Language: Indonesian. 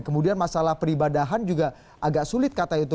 kemudian masalah peribadahan juga agak sulit kata itu